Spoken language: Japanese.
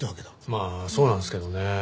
まあそうなんですけどね。